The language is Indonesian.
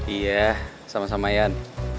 iya sama sama yan